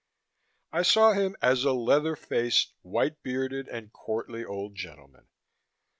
I saw him as a leather faced, white bearded and courtly old gentleman.